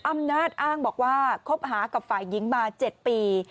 อำนาจอ้างบอกว่าคบหากับฝ่ายหญิงมา๗ปี